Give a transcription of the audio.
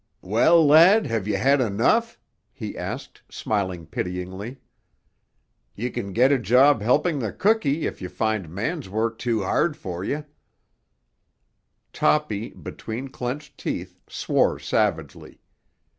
"Well, lad, have ye had enough?" he asked, smiling pityingly. "Ye can get a job helping the cookee if you find man's work too hard for ye." Toppy, between clenched teeth, swore savagely.